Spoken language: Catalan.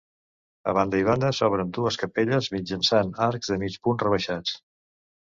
A banda i banda, s'obren dues capelles mitjançant arcs de mig punt rebaixats.